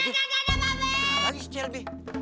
ada lagi si selby